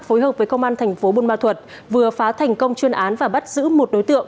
phối hợp với công an thành phố buôn ma thuật vừa phá thành công chuyên án và bắt giữ một đối tượng